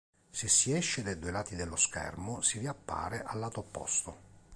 Se si esce dai due lati dello schermo si riappare al lato opposto.